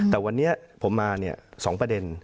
แต่วันนี้ผมมา๒ประเด็น